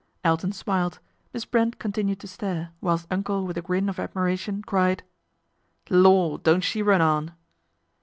Elton smiled, Miss Brent continued to stare, whilst Uncle with a grin of admiration cried :" Lor', don't she run on